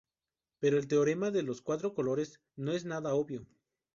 Pero el teorema de los cuatro colores no es nada obvio.